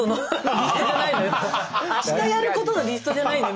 明日やることのリストじゃないのよ